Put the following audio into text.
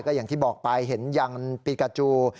อย่างที่บอกไปเห็นยังปีกาจู